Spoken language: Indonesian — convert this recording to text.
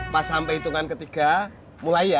pas sampai hitungan ketiga mulai ya